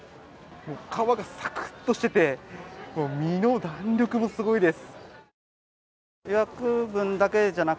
皮がサクッとしてて、身の弾力もすごいです。